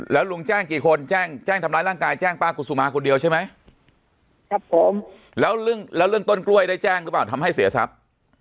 แล้วลุงแจ้งกี่คนแจ้งแจ้งทำร้ายร่างกายแจ้งป้ากุศุมาคนเดียวใช่ไหมครับผมแล้วเรื่องแล้วเรื่องต้นกล้วยได้แจ้งหรือเปล่าทำให้เสียทรัพย์